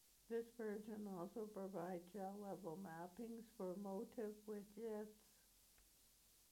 This version also provides shell-level mappings for Motif widgets.